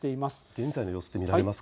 現在の様子は見られますか。